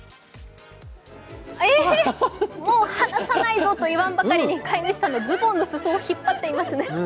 もう、離さないぞといわんばかりに飼い主さんのズボンの裾を引っ張っていますね。